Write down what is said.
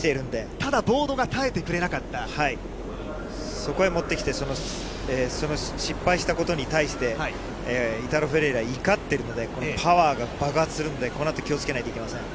ただボードが耐えてくれなかそこへ持ってきて、その失敗したことに対して、イタロ・フェレイラ、怒ってるので、パワーが爆発しているので、このあと、気をつけなければいけません。